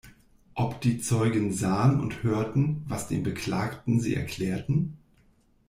Ob die Zeugen sah'n und hörten, was dem Beklagten sie erklärten?